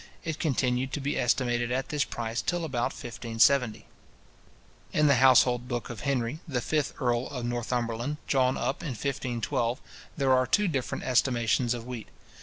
It continued to be estimated at this price till about 1570. In the household book of Henry, the fifth earl of Northumberland, drawn up in 1512 there are two different estimations of wheat.